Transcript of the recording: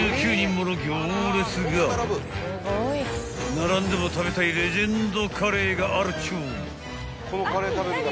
［並んでも食べたいレジェンドカレーがあるっちゅう］